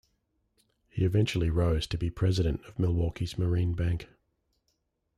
He eventually rose to be president of Milwaukee's Marine Bank.